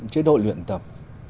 chế độ luyện tập